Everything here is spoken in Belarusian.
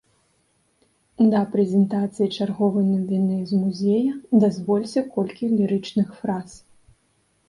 Да прэзентацыі чарговай навіны з музея дазвольце колькі лірычных фраз.